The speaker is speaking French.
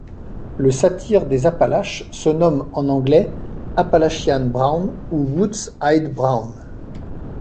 Le Satyre des Appalaches se nomme en anglais Appalachian Brown ou Woods Eyed Brown.